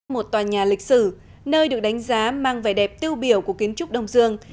một tòa nhà lịch sử nơi được đánh giá mang vẻ đẹp tiêu biểu của kiến trúc đông dương